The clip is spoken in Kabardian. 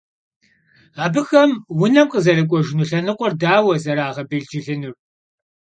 Abıxem vunem khızerık'uejjınu lhenıkhuer daue zerağebêlcılınur?